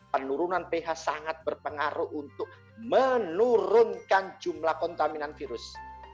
penurunan ph sangat berpengaruh untuk menurunkan jumlah kontaminan virus